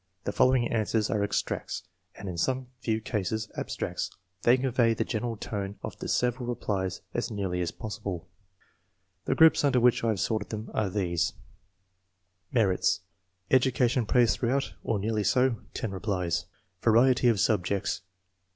The following answers are extracts, and, in some few cases, abstracts ; they convey the general tone of the several replies as nearly as possible. The groups under which I have sorted them are these :—>> 99 >> 99 Merits :—„ Education praised throughout, or nearly so . .10 replies Variety of subjects